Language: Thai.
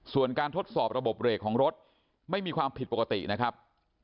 ส่วนการทดสอบระบบเบรกของรถไม่มีความผิดปกตินะครับ